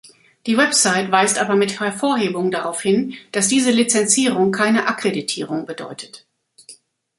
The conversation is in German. Die Website weist aber mit Hervorhebung darauf hin, dass diese Lizenzierung keine Akkreditierung bedeutet.